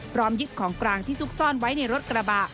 พร้อมยึดของกลางที่ซุกซ่อนไว้ในรถกระบะ